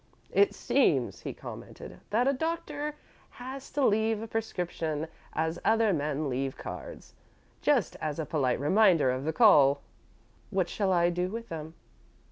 "It seems," he commented, "that a doctor has to leave a prescription as other men leave cards just as a polite reminder of the call." "What shall I do with them?"